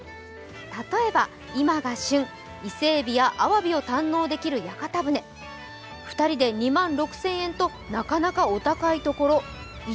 例えば今が旬、伊勢えびやあわびを堪能できる屋形船、２人で２万６０００円となかなかお高いところ。